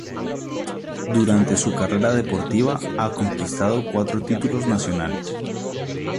Durante su carrera deportiva, ha conquistado cuatro títulos nacionales.